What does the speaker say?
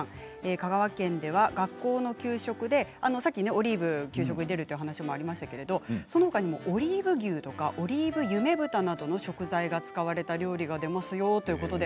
香川県では学校の給食でさっきオリーブ給食に出るという話がありましたけれど、そのほかにもオリーブオイルとかオリーブ夢豚などの食材が使われたり給食で出るということです。